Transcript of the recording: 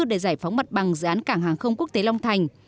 để giải phóng mặt bằng dự án cảng hàng không quốc tế long thành